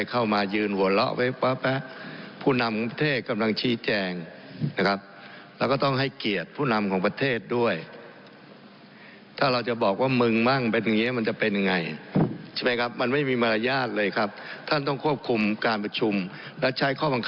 คุมความเรียบร้อยให้ได้คุมมารยาทยากครับ